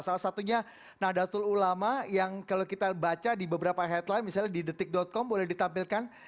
salah satunya nadatul ulama yang kalau kita baca di beberapa headline misalnya di detik com boleh ditampilkan